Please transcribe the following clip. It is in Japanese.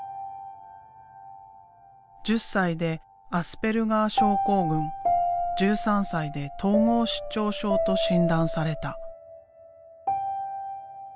１０歳でアスペルガー症候群１３歳で統合失調症と診断された。